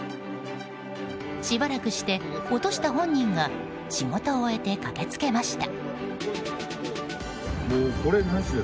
しばらくして、落とした本人が仕事を終えて駆けつけました。